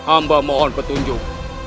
amba mohon petunjuk